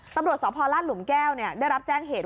ตำรวจสพลาดหลุมแก้วได้รับแจ้งเหตุ